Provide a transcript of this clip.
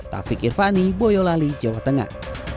taufik irvani boyolali jawa tengah